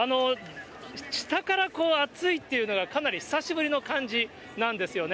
下からこう熱いっていうのが、かなり久しぶりの感じなんですよね。